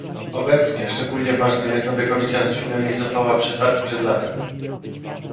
Obecnie szczególnie ważne jest, aby Komisja sfinalizowała przetarg przed latem